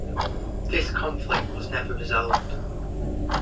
This conflict was never resolved.